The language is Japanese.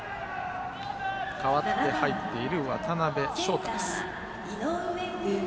代わって入っている渡邊翔太です。